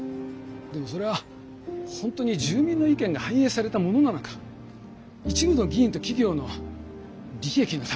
でもそれは本当に住民の意見が反映されたものなのか一部の議員と企業の利益のためになってないか。